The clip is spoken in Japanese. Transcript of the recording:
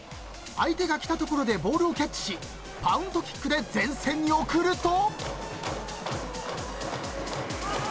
［相手が来たところでボールをキャッチしパントキックで前線に送ると］